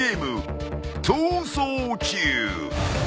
［逃走中］